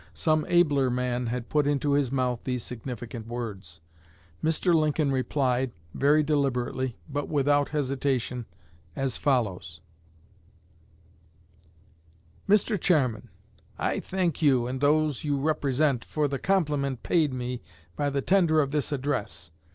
Some abler man had put into his mouth these significant words. Mr. Lincoln replied, very deliberately, but without hesitation, as follows: MR. CHAIRMAN: I thank you, and those you represent, for the compliment paid me by the tender of this address.